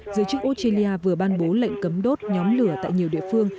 giới chức australia vừa ban bố lệnh cấm đốt nhóm lửa tại nhiều địa phương